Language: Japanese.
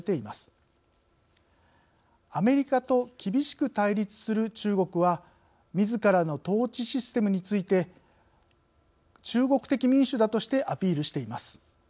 アメリカと厳しく対立する中国は自らの統治システムについて「中国的民主」だとしてアピールしています。